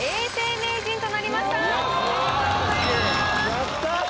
やった！